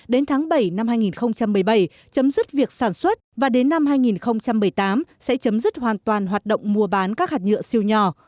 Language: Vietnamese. đến tháng bảy năm hai nghìn một mươi bảy chấm dứt việc sản xuất và đến năm hai nghìn một mươi tám sẽ chấm dứt hoàn toàn hoạt động mua bán các hạt nhựa siêu nhỏ